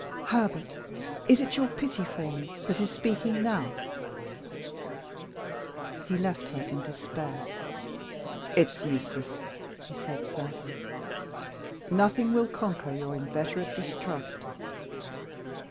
"Herbert! is it your pity for me that is speaking now?" He left her in despair. "It's useless!" he said, sadly. "Nothing will conquer your inveterate distrust."